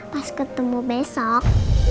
buat dibawa pas ketemu besok